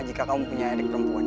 jika kamu punya adik perempuan